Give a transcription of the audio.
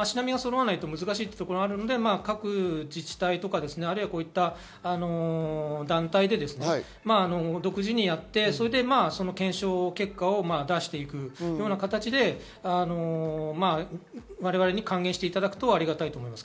足並みがそろわないと難しいところがあるので、各自治体とか団体で独自にやって、検証結果を出していくような形で我々に還元していただくとありがたいと思います。